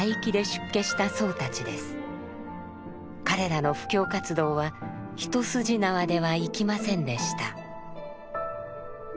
彼らの布教活動は一筋縄ではいきませんでした。